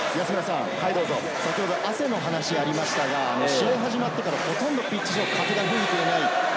汗の話がありましたが、試合が始まってからピッチ上風が吹いていない。